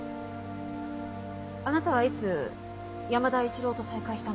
あなたはいつ山田一郎と再会したんですか？